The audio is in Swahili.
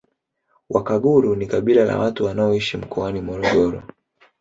Wakaguru ni kabila la watu wanaoishi mkoani Morogoro